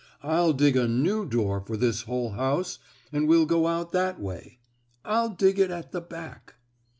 I'll dig a new door for this hole house and we'll go out that way. I'll dig it at the back."